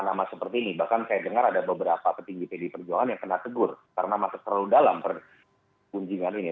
nama seperti ini bahkan saya dengar ada beberapa petinggi pdi perjuangan yang kena tegur karena masuk terlalu dalam pergunjingan ini